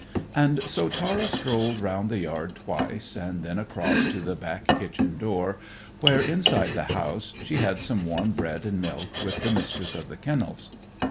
And so Tara strolled round the yard twice, and then across to the back kitchen door, where, inside the house, she had some warm bread and milk with the Mistress of the Kennels.